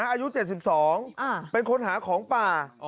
นะอายุเจ็ดสิบสองอ่าเป็นคนหาของป่าอ๋อ